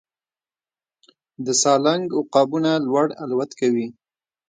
د سالنګ عقابونه لوړ الوت کوي